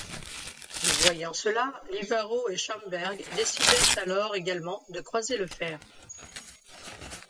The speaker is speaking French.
Voyant cela, Livarot et Schomberg décidèrent alors également de croiser le fer.